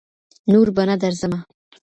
نور بــه نـه درځمـــه